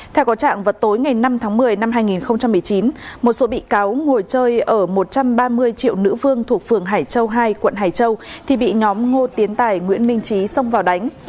theo có trạng vào tối ngày năm tháng một mươi năm hai nghìn một mươi chín một số bị cáo ngồi chơi ở một trăm ba mươi triệu nữ vương thuộc phường hải châu hai quận hải châu thì bị nhóm ngô tiến tài nguyễn minh trí xông vào đánh